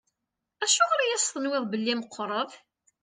Acuɣer i as-tenwiḍ belli meqqṛet?